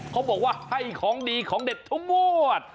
เขาบอกว่าให้ของดีของเด็ดทุกงวด